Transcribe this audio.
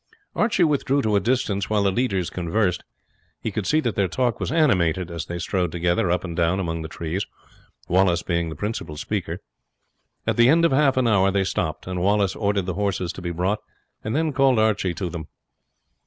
Archie withdrew to a distance while the leaders conversed. He could see that their talk was animated as they strode together up and down among the trees, Wallace being the principal speaker. At the end of half an hour they stopped, and Wallace ordered the horses to be brought, and then called Archie to them.